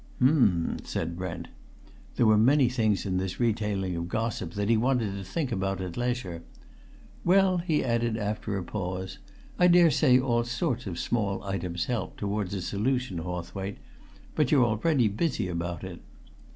"Um!" said Brent. There were many things in this retailing of gossip that he wanted to think about at leisure. "Well," he added, after a pause, "I dare say all sorts of small items help towards a solution, Hawthwaite. But you're already busy about it."